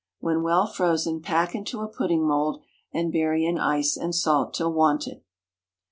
When well frozen, pack into a pudding mould, and bury in ice and salt till wanted.